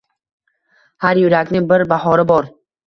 Har yurakning bir bahori bor